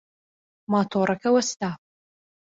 ماتۆڕەکە وەستا.